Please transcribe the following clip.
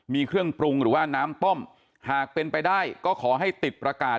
มีเครื่องปรุงหรือว่าน้ำต้มหากเป็นไปได้ก็ขอให้ติดประกาศ